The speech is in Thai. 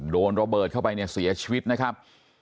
โดนระเบิดเข้าไปเนี่ยเสียชีวิตนะครับ